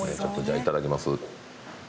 いただきます。